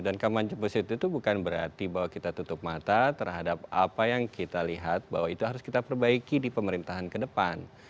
dan kampanye positif itu bukan berarti bahwa kita tutup mata terhadap apa yang kita lihat bahwa itu harus kita perbaiki di pemerintahan kedepan